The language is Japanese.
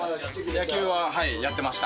野球はやってました。